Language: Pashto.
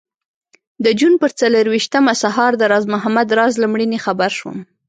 د جون پر څلرویشتمه سهار د راز محمد راز له مړینې خبر شوم.